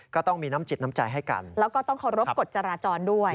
ก็ต้องมีน้ำจิตน้ำใจให้กันแล้วก็ต้องเคารพกฎจราจรด้วย